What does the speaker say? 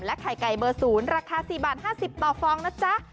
และไข่ไก่เบอร์ศูนย์ราคา๔๕๐บาทต่อฟองนะจ๊ะ